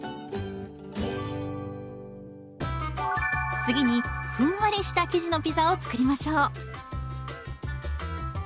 次にふんわりした生地のピザを作りましょう。